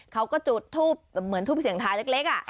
เขาก็จุดทูปเหมือนทูปเสียงทายเล็ก